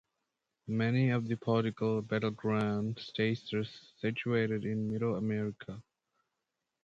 Many of the political battleground states are situated in "Middle America".